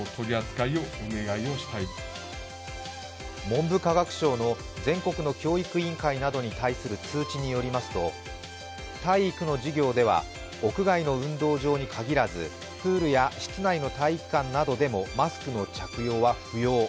文部科学省の全国の教育委員会などに対する通知によりますと、体育の授業では屋外の運動場に限らずプールや室内の体育館などでもマスクの着用は不要。